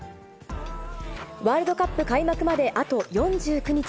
ワールドカップ開幕まであと４９日。